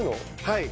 はい。